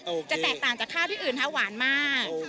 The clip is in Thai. จะแตกต่างจากข้าวที่อื่นค่ะหวานมาก